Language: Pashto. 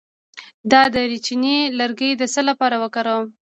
د دارچینی لرګی د څه لپاره وکاروم؟